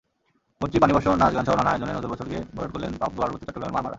মৈত্রী পানিবর্ষণ, নাচ-গানসহ নানা আয়োজনে নতুন বছরকে বরণ করলেন পার্বত্য চট্টগ্রামের মারমারা।